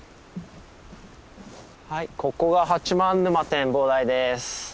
はいここが八幡沼展望台です。